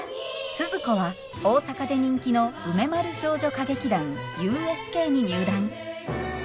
スズ子は大阪で人気の梅丸少女歌劇団ＵＳＫに入団。